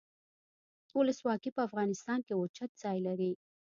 ولسواکي په افغانستان کې اوچت ځای لري.